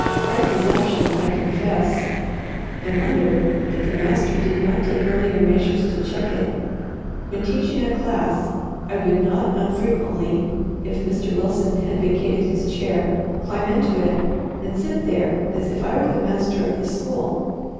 My presumption I confess, and wonder that the master did not take earlier measures to check it. When teaching a class, I would not unfrequently, if Mr. Wilson had vacated his chair, climb into it, and sit there as if I were the master of the school.